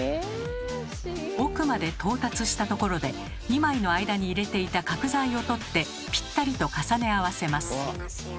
奥まで到達したところで２枚の間に入れていた角材を取ってぴったりと重ね合わせます。